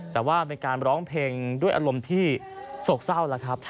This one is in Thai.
แต่ว่าเป็นการร้องเพลงด้วยอารมณ์ที่โศกเศร้าแล้วครับ